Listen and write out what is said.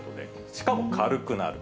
しかも軽くなる。